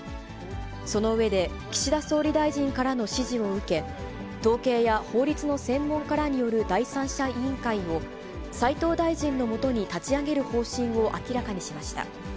その上で、岸田総理大臣からの指示を受け、統計や法律の専門家らによる第三者委員会を斉藤大臣の下に立ち上げる方針を明らかにしました。